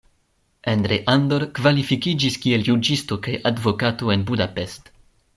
Endre Andor kvalifikiĝis kiel juĝisto kaj advokato en Budapest.